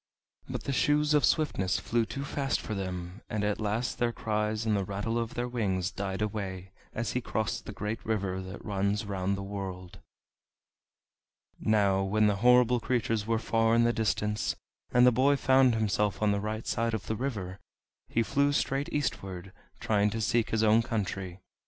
But the Shoes of Swiftness flew too fast for them, and at last their cries and the rattle of their wings died away as he crossed the great river that runs round the world. Now when the horrible creatures were far in the distance, and the boy found himself on the right side of the river, he flew straight eastward, trying to seek his own country.